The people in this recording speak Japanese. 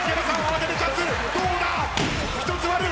１つ割る！